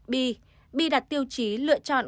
bi bi đặt tiêu chí lựa chọn